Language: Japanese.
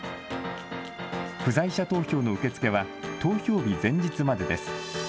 不在者投票の受け付けは投票日前日までです。